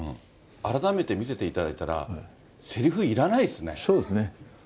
改めて見せていただいたら、そうですね。